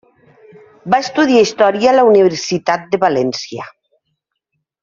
Va estudiar Història a la Universitat de València.